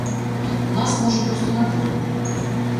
У нас, можа, проста надвор'е такое.